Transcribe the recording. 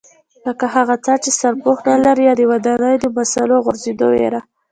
لکه هغه څاه چې سرپوښ نه لري یا د ودانیو د مسالو غورځېدو وېره.